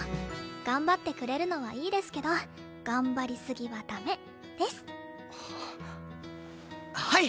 頑張ってくれるのはいいですけど頑張りすぎはダメです。ははい！